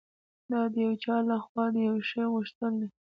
دا د یو چا لهخوا د یوه شي غوښتل دي